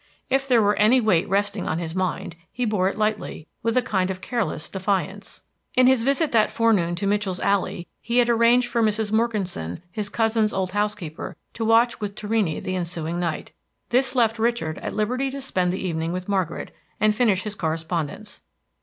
If there were any weight resting on his mind, he bore it lightly, with a kind of careless defiance. In his visit that forenoon to Mitchell's Alley he had arranged for Mrs. Morganson, his cousin's old housekeeper, to watch with Torrini the ensuing night. This left Richard at liberty to spend the evening with Margaret, and finish his correspondence.